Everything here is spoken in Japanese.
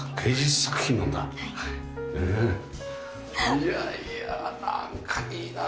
いやいやなんかいいなあ。